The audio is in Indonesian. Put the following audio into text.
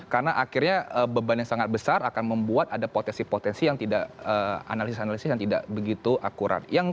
karena akhirnya beban yang sangat besar akan membuat ada potensi potensi yang tidak analisis analisis yang tidak begitu akurat